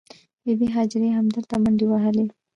بې بي هاجرې همدلته منډې وهلې.